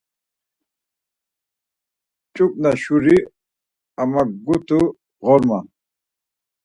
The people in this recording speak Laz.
Ç̌uxna şuri amagutu ğorma.